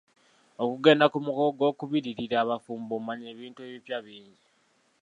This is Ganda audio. Okugenda ku mukolo gw'okubiiririra abafumbo omanya ebintu ebipya bingi.